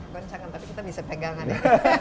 goncangan tapi kita bisa pegangan ya